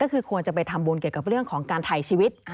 ก็คือควรจะไปทำบุญเกี่ยวกับเรื่องของการถ่ายชีวิต